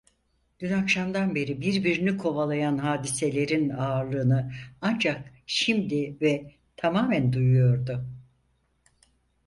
Dün akşamdan beri birbirini kovalayan hadiselerin ağırlığını ancak şimdi ve tamamen duyuyordu.